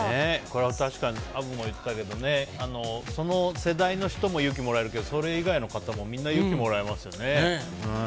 これ、確かにアブも言っていたけどその世代の人も勇気もらえるけどそれ以外の方もみんな勇気もらえますよね。